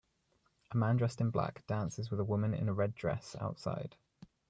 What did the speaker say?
A man dressed in black dances with a woman in a red dress outside.